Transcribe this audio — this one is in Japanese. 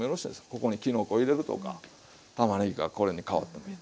ここにきのこ入れるとかたまねぎがこれにかわってもいい。